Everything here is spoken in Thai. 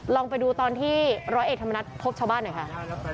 ลองไปดูตอนที่ร้อยเอกธรรมนัฐพบชาวบ้านหน่อยค่ะ